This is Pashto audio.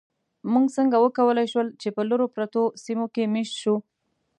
موږ څنګه وکولی شول، چې په لرو پرتو سیمو کې مېشت شو؟